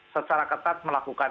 secara ketat melakukan